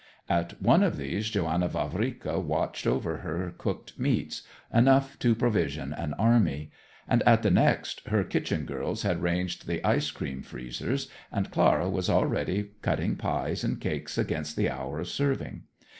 At one of these Johanna Vavrika watched over her cooked meats, enough to provision an army; and at the next her kitchen girls had ranged the ice cream freezers, and Clara was already cutting pies and cakes against the hour of serving.